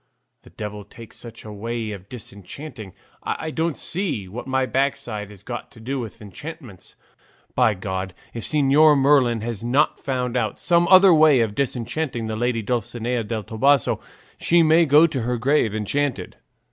The devil take such a way of disenchanting! I don't see what my backside has got to do with enchantments. By God, if Señor Merlin has not found out some other way of disenchanting the lady Dulcinea del Toboso, she may go to her grave enchanted."